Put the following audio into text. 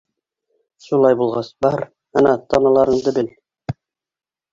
Шулай булғас, бар, ана, таналарыңды бел.